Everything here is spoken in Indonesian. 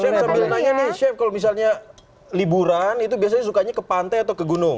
chef sambil nanya nih chef kalau misalnya liburan itu biasanya sukanya ke pantai atau ke gunung